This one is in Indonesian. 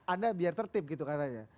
anda biar tertib gitu katanya